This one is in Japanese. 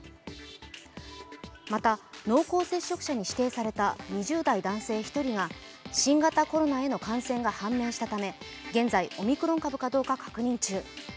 また、濃厚接触者に指定された２０代男性１人が新型コロナへの感染が判明したため現在オミクロン株かどうか確認中。